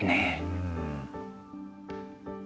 うん。